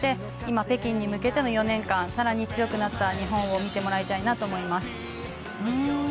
今、北京に向けての４年間、更に強くなった日本を見てもらいたいなと思います。